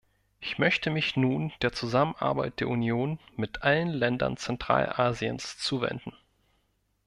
Ich möchte mich nun der Zusammenarbeit der Union mit allen Ländern Zentralasiens zuwenden.